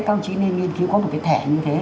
công trí nên nghiên cứu có một cái thẻ như thế